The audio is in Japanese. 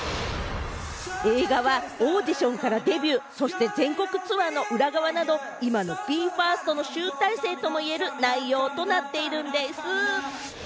映画はオーディションからデビュー、そして全国ツアーの裏側など、今のＢＥ：ＦＩＲＳＴの集大成とも言える内容となっているんでぃす。